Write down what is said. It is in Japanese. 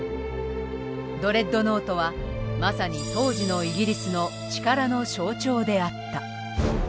ドレッドノートはまさに当時のイギリスの力の象徴であった。